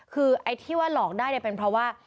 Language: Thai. คือที่ว่าหลอกได้เป็นเพราะว่า